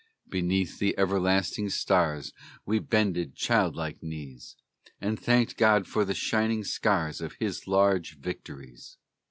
Beneath the everlasting stars We bended child like knees, And thanked God for the shining scars Of His large victories.